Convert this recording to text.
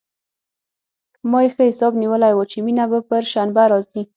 ما يې ښه حساب نيولى و چې مينه به پر شنبه راځي.